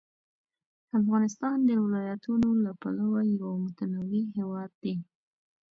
افغانستان د ولایتونو له پلوه یو متنوع هېواد دی.